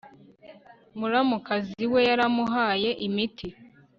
muramukazi we yaramuhaye imiti